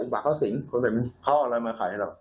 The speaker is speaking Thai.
บัตรเขาสินเขาเอาอะไรมาขายหรือ